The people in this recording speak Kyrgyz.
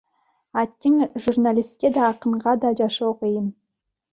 Аттиң, журналистке да, акынга да жашоо кыйын,